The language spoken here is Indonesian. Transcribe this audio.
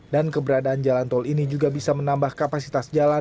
dan keberadaan jalan tol ini juga bisa menambah kapasitas jalan